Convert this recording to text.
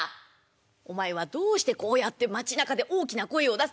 「お前はどうしてこうやって町なかで大きな声を出す。